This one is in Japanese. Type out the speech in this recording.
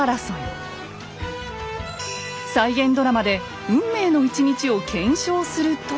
再現ドラマで運命の１日を検証すると。